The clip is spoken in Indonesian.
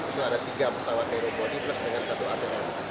itu ada tiga pesawat nerobadi plus dengan satu atr